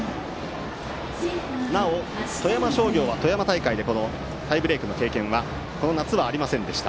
なお、富山商業は富山大会でタイブレークの経験はこの夏はありませんでした。